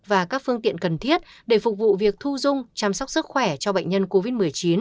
và các phương tiện cần thiết để phục vụ việc thu dung chăm sóc sức khỏe cho bệnh nhân covid một mươi chín